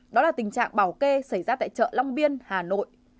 đó là tình trạng bảo kê xảy ra tại chợ long biên hà nội